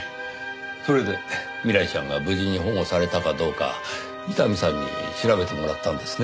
それで未来ちゃんが無事に保護されたかどうか伊丹さんに調べてもらったんですね？